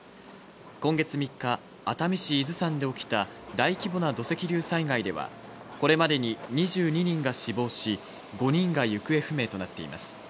今月３日、熱海市伊豆山で起きた大規模な土石流災害では、これまでに２２人が死亡し、５人が行方不明となっています。